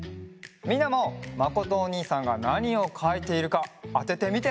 みんなもまことおにいさんがなにをかいているかあててみてね！